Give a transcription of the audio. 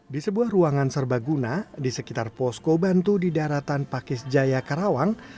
di sebuah ruangan serbaguna di sekitar posko bantu di daratan pakis jaya karawang